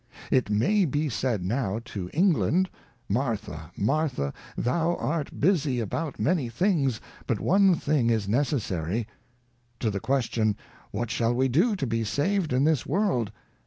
' It may be said now to England, Martha, Martha, thou art busy about many things, but one thing is necessary. To the Question, What shall we do to be saved in this World